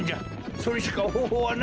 それしかほうほうはない！